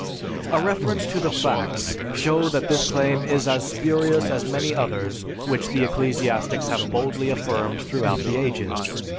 A reference to the facts show that this claim is as spurious as many others which the ecclesiastics have boldly affirmed throughout the ages.